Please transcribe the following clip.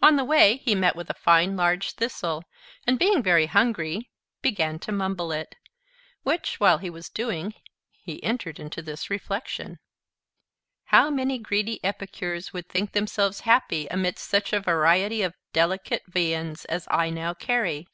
On the way he met with a fine large thistle, and being very hungry, began to mumble it; which while he was doing, he entered into this reflection: "How many greedy epicures would think themselves happy, amidst such a variety of delicate viands as I now carry!